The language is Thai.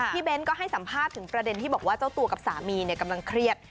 เบ้นก็ให้สัมภาษณ์ถึงประเด็นที่บอกว่าเจ้าตัวกับสามีกำลังเครียด